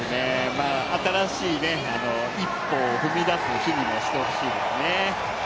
新しい一歩を踏み出す日々にしてほしいですね。